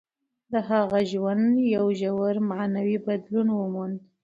د هغه ژوند یو ژور معنوي بدلون وموند.